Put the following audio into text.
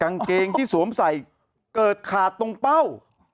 กางเกงที่สวมใส่เกิดขาดตรงเป้า